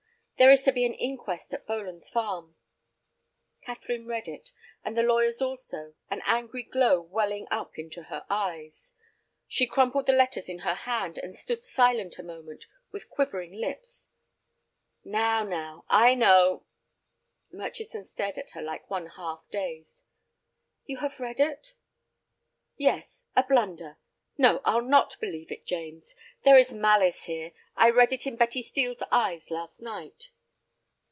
There is to be an inquest at Boland's Farm." Catherine read it, and the lawyer's also, an angry glow welling up into her eyes. She crumpled the letters in her hand, and stood silent a moment, with quivering lips. "Now, now—I know—" Murchison stared at her like one half dazed. "You have read it?" "Yes. A blunder! No, I'll not believe it, James; there is malice here. I read it in Betty Steel's eyes last night."